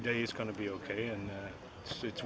mulai berkumpul di yogyakarta sore tadi